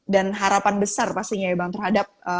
dan harapan besar pastinya ya bang terhadap